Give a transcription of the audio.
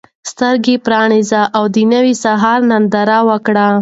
سترګې پرانیزه او د نوي سهار ننداره وکړه.